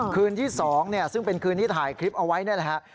คืนที่๒ซึ่งเป็นคืนที่ถ่ายคลิปเอาไว้นี่แหละฮะ